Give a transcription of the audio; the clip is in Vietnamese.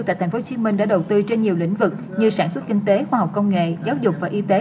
tại tp hcm đã đầu tư trên nhiều lĩnh vực như sản xuất kinh tế khoa học công nghệ giáo dục và y tế